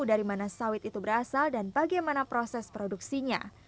dari mana sawit itu berasal dan bagaimana proses produksinya